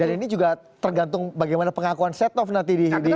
dan ini juga tergantung bagaimana pengakuan setof nanti di pengadilan ya